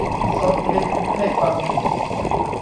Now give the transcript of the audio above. ซอสพริกให้ความฉุน